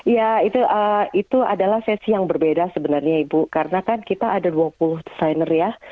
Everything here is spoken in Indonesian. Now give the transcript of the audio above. ya itu adalah sesi yang berbeda sebenarnya ibu karena kan kita ada dua puluh desainer ya